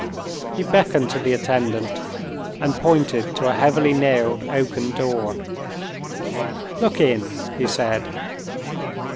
He beckoned to the attendant, and pointed to a heavily nailed oaken door. "Look in," he said.